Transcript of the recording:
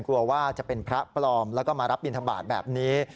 กลัวว่าจะเป็นพระปลอมแล้วก็มารับบินทบาทแบบนี้